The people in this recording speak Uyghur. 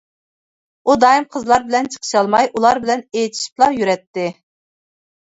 ئۇ دائىم قىزلار بىلەن چىقىشالماي، ئۇلار بىلەن ئېچىشىپلا يۈرەتتى.